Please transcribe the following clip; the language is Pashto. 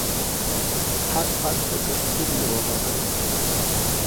هر خوند د کلتور یوه بڼه ده.